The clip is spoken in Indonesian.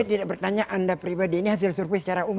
saya tidak bertanya anda pribadi ini hasil survei secara umum